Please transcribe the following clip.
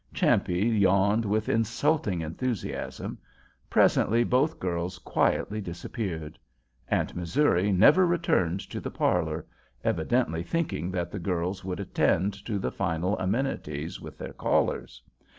Champe yawned with insulting enthusiasm. Presently both girls quietly disappeared. Aunt Missouri never returned to the parlor—evidently thinking that the girls would attend to the final amenities with their callers.